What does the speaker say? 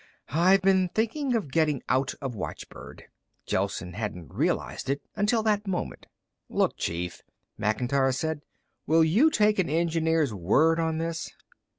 "I've been thinking of getting out of watchbird." Gelsen hadn't realized it until that moment. "Look, Chief," Macintyre said. "Will you take an engineer's word on this?"